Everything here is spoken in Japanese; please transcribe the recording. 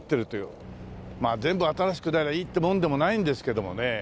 まあ全部新しくなりゃいいってもんでもないんですけどもね